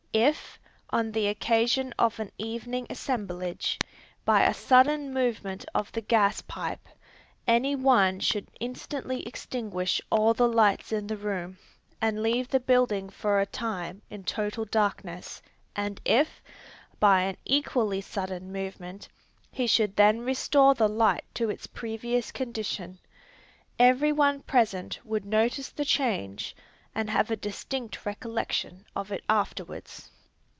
If, on the occasion of an evening assemblage, by a sudden movement of the gas pipe, any one should instantly extinguish all the lights in the room and leave the building for a time in total darkness, and if, by an equally sudden movement, he should then restore the light to its previous condition, every one present would notice the change and have a distinct recollection of it afterwards.